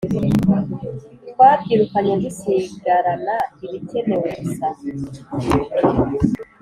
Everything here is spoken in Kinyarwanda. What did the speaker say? twabyirukanye dusigarana ibikenewe gusa